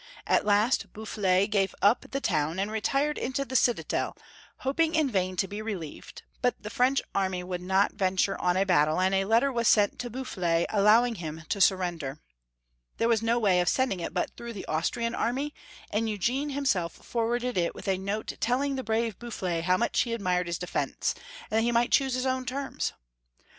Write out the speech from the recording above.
At last Boufflers gave up the town, and retired into the citadel, hoping in vain to be relieved, but the French army would not venture on a battle, and a letter was sent to Bouf flers allowing hini to surrender. There was no way of sending it but through the Austrian army, and Eugene himself forwarded it with a note tell ing the brave Boufflers how much he admired his defence, and that he might choose his own terms.